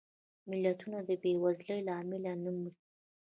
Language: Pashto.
ملتونه د بېوزلۍ له امله نه مري